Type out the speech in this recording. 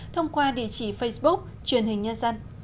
thông qua địa chỉ facebook truyền hình nhân dân